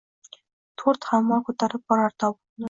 To’rt hammol ko’tarib borar tobutni